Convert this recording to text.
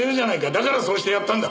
だからそうしてやったんだ。